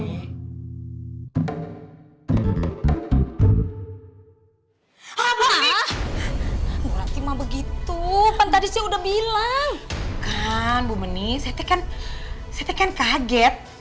hai apa nih berarti mah begitu pantasnya udah bilang kan bu menis etekan setekan kaget